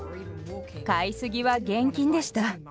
買いすぎは厳禁でした。